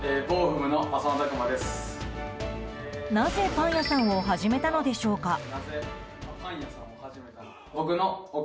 なぜパン屋さんを始めたのでしょうか。